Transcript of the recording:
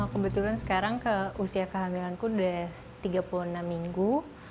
kebetulan sekarang usia kehamilanku sudah tiga puluh enam minggu